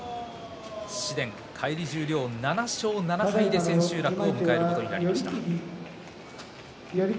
紫雷、返り十両、７勝７敗で千秋楽を迎えることになりました。